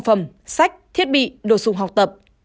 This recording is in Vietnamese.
cơ sở kinh doanh phòng phẩm sách thiết bị đồ sùng học tập